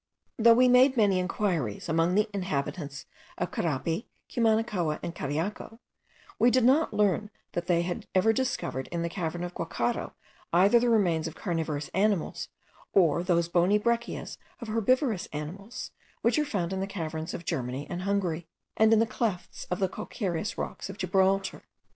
Though we made many enquiries among the inhabitants of Caripe, Cumanacoa, and Cariaco, we did not learn that they had ever discovered in the cavern of Guacharo either the remains of carnivorous animals, or those bony breccias of herbivorous animals, which are found in the caverns of Germany and Hungary, and in the clefts of the calcareous rocks of Gibraltar.